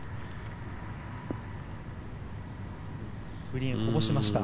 グリーンをこぼしました。